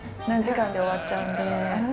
何時間で終わっちゃうんで。